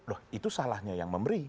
loh itu salahnya yang memberi